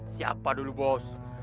siapa dulu bos